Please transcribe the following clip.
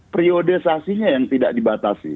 priodisasinya yang tidak dibatasi